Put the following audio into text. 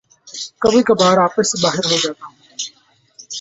کبھی کبھار آپے سے باہر ہو جاتا ہوں